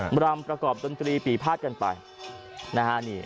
บรรมประกอบดนตรีปีภาษกันไป